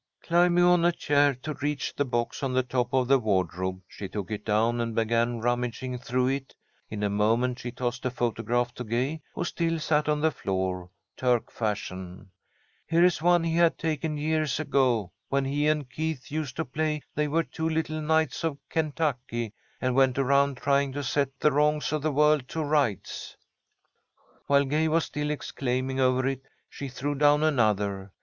Climbing on a chair to reach the box on the top of the wardrobe, she took it down and began rummaging through it. In a moment she tossed a photograph to Gay, who still sat on the floor, Turk fashion. [Illustration: "STUDYING THE FACE OF THE HANDSOME YOUNG FELLOW WITH INTEREST"] "Here is one he had taken years ago when he and Keith used to play they were two little Knights of Kentucky, and went around trying to set the wrongs of the world to rights." While Gay was still exclaiming over it, she threw down another.